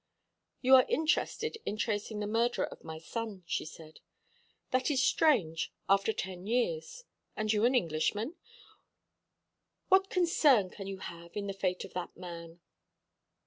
"You are interested in tracing the murderer of my son," she said. "That is strange after ten years and you an Englishman! What concern can you have in the fate of that man?"